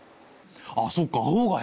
あっそっか青が平和か。